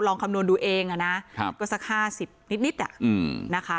คำนวณดูเองนะก็สัก๕๐นิดนะคะ